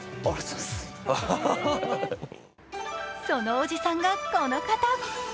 そのおじさんが、この方。